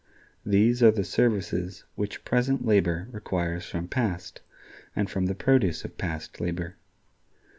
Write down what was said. These are the services which present labor requires from past, and from the produce of past, labor.